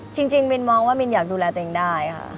มินมองว่ามินอยากดูแลตัวเองได้ค่ะ